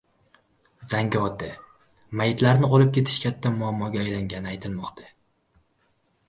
Zangiota. Mayitlarni olib ketish katta muammoga aylangani aytilmoqda